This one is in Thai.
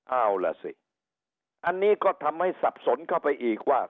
เอาล่ะสิอันนี้ก็ทำให้สับสนเข้าไปอีกว่า